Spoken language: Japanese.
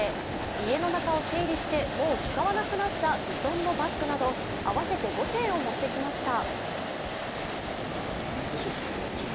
家の中を整理して、もう使わなくなったヴィトンのバッグなど合わせて５点を持ってきました。